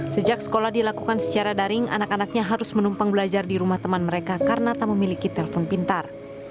sejak sekolah dilakukan secara daring anak anaknya harus menumpang belajar di rumah teman mereka karena tak memiliki telepon pintar